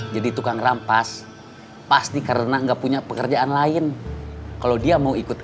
jadi tukang rampas pasti karena enggak punya pekerjaan lain kalau dia mau ikut